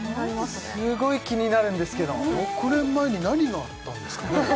すごい気になるんですけど６年前に何があったんですかね？